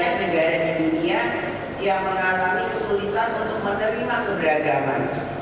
banyak negara di dunia yang mengalami kesulitan untuk menerima keberagaman